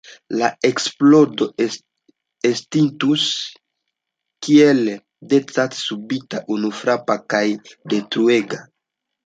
La eksplodo estintus – kiel decas – subita, unufrapa kaj detruega.